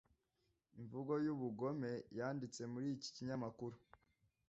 imvugo y’ubugome yanditse muri iki kinyamakuru